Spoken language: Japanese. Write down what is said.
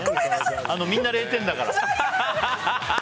みんな０点だから。